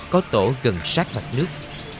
có tổ gần sát mặt nước